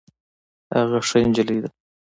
هغه ښه جينۍ ده